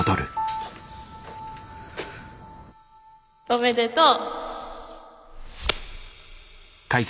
おめでとう！